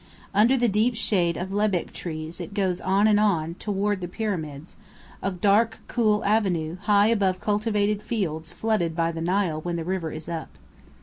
Under the deep shade of lebbek trees it goes on and on, toward the Pyramids, a dark cool avenue, high above cultivated fields flooded by the Nile when the river is "up."